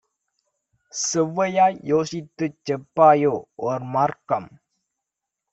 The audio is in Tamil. செவ்வையாய் யோசித்துச் செப்பாயோ ஓர்மார்க்கம்?'